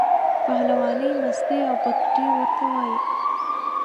پهلوانۍ، مستۍ او بګتۍ ورته وایي.